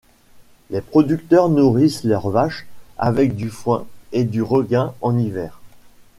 Les producteurs nourrissent leurs vaches avec du foin et du regain en hiver.